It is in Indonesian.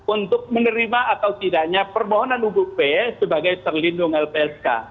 untuk menerima atau tidaknya permohonan untuk p sebagai terlindung lpsk